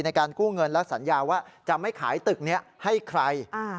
ในการกู้เงินและสัญญาว่าจะไม่ขายตึกนี้ให้ใคร